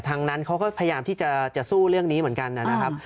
นั้นเขาก็พยายามที่จะสู้เรื่องนี้เหมือนกันนะครับ